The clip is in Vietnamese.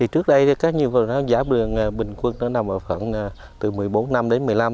trước đây giá đường bình quân nằm ở phần từ một mươi bốn năm đến một mươi năm năm